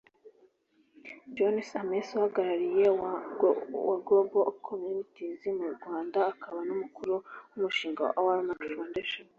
John Ames uhagarariye wa Global communities mu Rwanda akaba n’umukuru w’umushinga wa Walmart Foundation